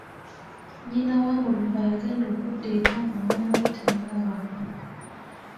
Nnyina wa Mulumba yagenda okudda eka ng’omwana we tamulaba.